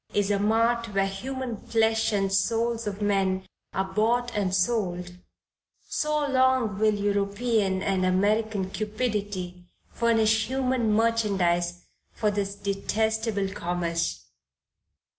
is a mart where human flesh and souls of men are bought and sold, so long will European and American cupidity furnish human merchandise for this detestable commerce.